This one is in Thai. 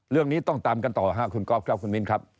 เรื่องนี้ต้องตามกันต่อครับคุณก๊อฟครับคุณมิ้นครับ